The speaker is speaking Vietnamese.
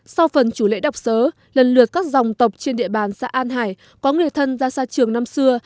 sau phần chủ lễ đọc sớ lần lượt các dòng tộc trên địa bàn xã an hải có người thân ra xa trường năm xưa